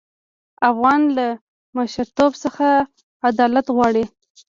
افغانان له مشرتوب څخه عدالت غواړي.